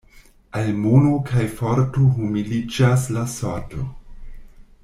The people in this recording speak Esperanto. Al mono kaj forto humiliĝas la sorto.